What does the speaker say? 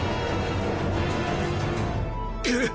くっ！